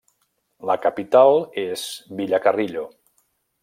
La capital es Villacarrillo.